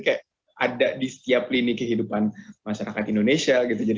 karena astra selama ini ada di setiap lini kehidupan masyarakat indonesia